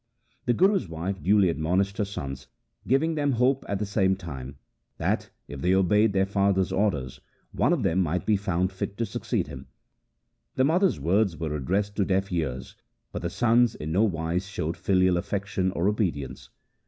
The Guru's wife duly admonished her sons, giving them hope at the same time that, if they obeyed their father's orders, one of them might be found fit to succeed him. The mother's words were addressed to deaf ears for the sons in no wise showed filial affection or obedience.